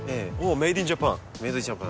メードインジャパン。